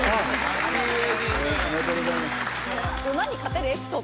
おめでとうございます